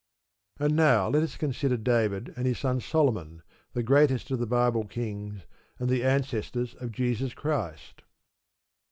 And now let us consider David and his son Solomon, the greatest of the Bible kings, and the ancestors of Jesus Christ.